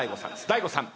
大悟さん